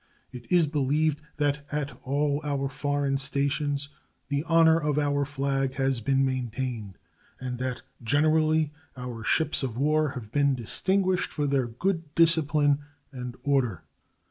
It is believed that at all our foreign stations the honor of our flag has been maintained and that generally our ships of war have been distinguished for their good discipline and order.